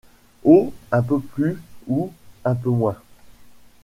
Oh, un peu plus ou un peu moins…